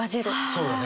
そうやね。